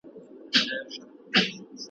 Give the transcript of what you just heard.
ته مي غوښي پرې کوه زه په دعا یم ,